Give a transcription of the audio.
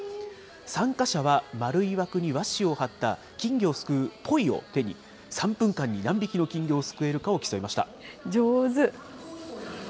参加者は丸い枠に和紙を張った、金魚をすくうポイを手に、３分間に何匹の金魚をすくえるかを競い上手。